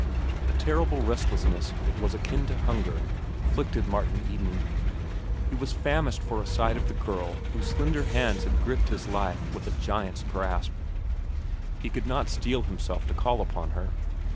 A terrible restlessness that was akin to hunger afflicted Martin Eden. He was famished for a sight of the girl whose slender hands had gripped his life with a giant's grasp. He could not steel himself to call upon her.